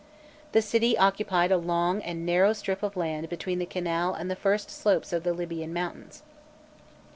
The city occupied a long and narrow strip of land between the canal and the first slopes of the Libyan mountains.